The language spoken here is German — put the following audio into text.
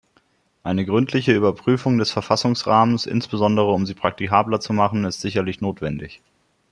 Eine gründliche Überprüfung des Verfassungsrahmens, insbesondere um sie praktikabler zu machen, ist sicherlich notwendig.